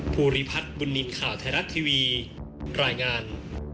ภูริพัฒน์บุญนินทร์ข่าวไทยรัฐทีวีรายงาน